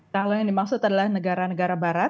kalau yang dimaksud adalah negara negara barat